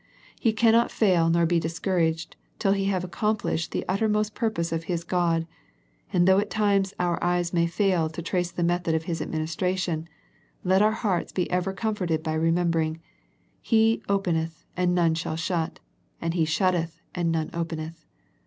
He can not fail nor be discouraged till He have accom plished the uttermost purpose of His God, and though at times our eyes may fail to trace the method of His administration, let our hearts be ever comforted by remembering " He ... openeth, and none shall shut, and He shutteth and none openeth."